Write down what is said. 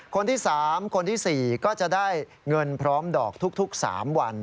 คนที่๓คนที่๔ก็จะได้เงินพร้อมดอกทุก๓วัน